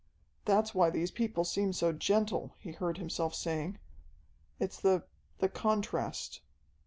"That's why these people seem so gentle," he heard himself saying. "It's the the contrast."